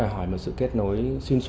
luật liên quan đến chữ ký điện tử